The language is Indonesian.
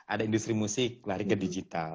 ada industri musik lari ke digital